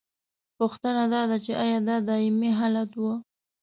پوښتنه دا ده چې ایا دا دائمي حالت و؟